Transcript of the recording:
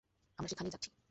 আমরা সেখানেই যাচ্ছি।